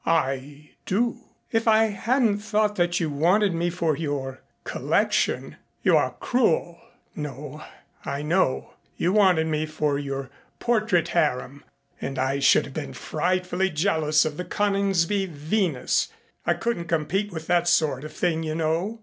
"I do." "If I hadn't thought that you wanted me for your collection " "You are cruel " "No. I know. You wanted me for your portrait harem, and I should have been frightfully jealous of the Coningsby Venus. I couldn't compete with that sort of thing, you know."